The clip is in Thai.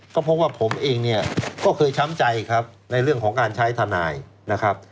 ก็เพราะว่าผมเองเนี่ยก็เคยช้ำใจครับในเรื่องของการใช้ทนายนะครับ